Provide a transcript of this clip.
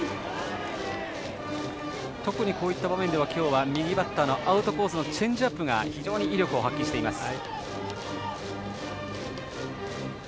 特にこういった場面では右バッターへのアウトコースのチェンジアップが非常に威力を発揮しています。